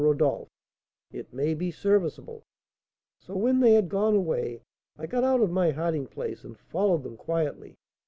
Rodolph; it may be serviceable. So when they had gone away, I got out of my hiding place, and followed them quietly.